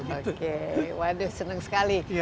oke waduh senang sekali